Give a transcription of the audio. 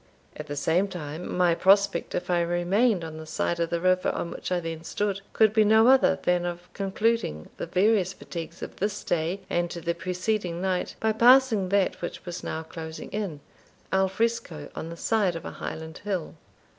At the same time, my prospect, if I remained on the side of the river on which I then stood, could be no other than of concluding the various fatigues of this day and the preceding night, by passing that which was now closing in, al fresco on the side of a Highland hill.